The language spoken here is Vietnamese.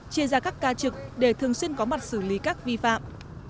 chia ra các ca trực để thường xuyên có mặt xử lý các vi phạm